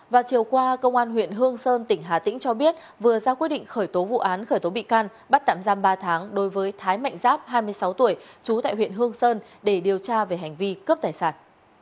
và chiều qua công an huyện hương sơn tỉnh hà tĩnh cho biết vừa ra quyết định khởi tố vụ án khởi tố bị can bắt tạm giam ba tháng đối với thái mạnh giáp hai mươi sáu tuổi trú tại huyện hương sơn để điều tra về hành vi cướp tài sản